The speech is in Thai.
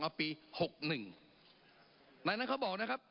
เนี่ยนั้นเค้าบอกนะครับ